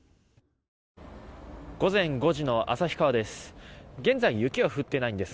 午前５時の旭川です。